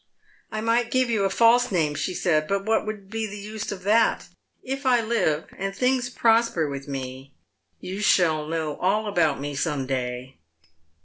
'I might give you a false name,' she said, 'but what would be the use of that ? If I live, and things prosper with me, you shall know all about me some day.'